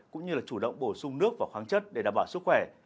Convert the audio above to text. cũng như là chủ động bổ sung nước và khoáng chất để đảm bảo sức khỏe